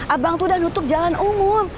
abang tuh udah nutup jalan umum